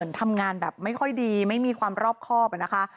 ทำงานแบบไม่ค่อยดีไม่มีความรอบครอบนะคะ